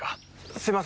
すいません。